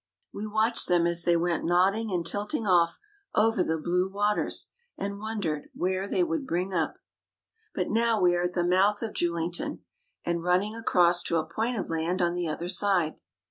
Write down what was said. We watched them as they went nodding and tilting off over the blue waters, and wondered where they would bring up. But now we are at the mouth of Julington, and running across to a point of land on the other side.